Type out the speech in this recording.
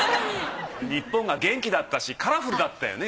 日本が元気だったしカラフルだったよね